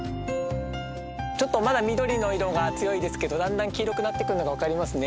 ちょっとまだ緑の色が強いですけどだんだん黄色くなってくるのが分かりますね。